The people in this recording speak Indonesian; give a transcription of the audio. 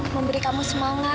memberi kamu semangat